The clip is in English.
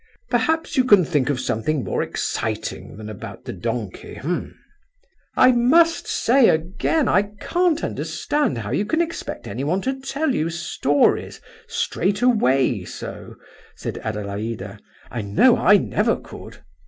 Perhaps you can think of something more exciting than about the donkey, eh?" "I must say, again, I can't understand how you can expect anyone to tell you stories straight away, so," said Adelaida. "I know I never could!"